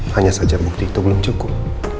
hanya saja bukti itu belum cukup